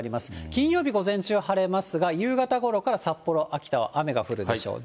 金曜日午前中は晴れますが、夕方ごろから札幌、秋田は雨が降るでしょう。